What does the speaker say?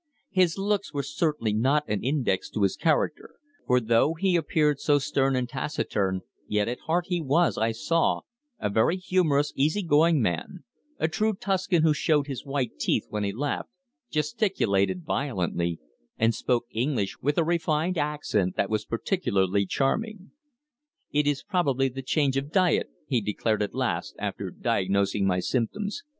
His looks were certainly not an index to his character, for though he appeared so stern and taciturn yet at heart he was, I saw, a very humorous, easy going man, a true Tuscan who showed his white teeth when he laughed, gesticulated violently, and spoke English with a refined accent that was particularly charming. "It is probably the change of diet," he declared at last, after diagnosing my symptoms.